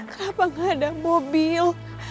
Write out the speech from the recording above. kenapa gak ada mobil